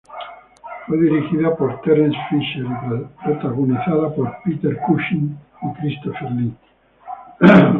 Fue dirigida por Terence Fisher, y protagonizada por Peter Cushing y Christopher Lee.